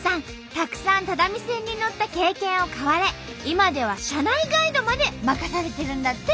たくさん只見線に乗った経験を買われ今では車内ガイドまで任されてるんだって。